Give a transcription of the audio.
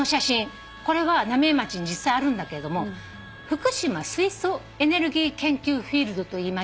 これは浪江町に実際あるんだけれども福島水素エネルギー研究フィールドといいまして。